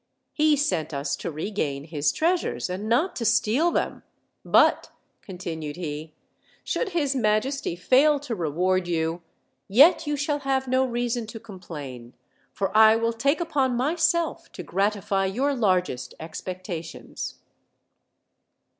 He sent us to regain his treas ures, and not to steal them: but," continued he, "should his majesty fail to reward you, yet you shall have no rea son to complain, for I will take upon myself to gratify your largest expectations."